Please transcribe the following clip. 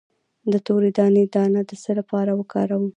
د تورې دانې دانه د څه لپاره وکاروم؟